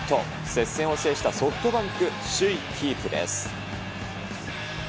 接戦を制したソフトバンク、首位キープです。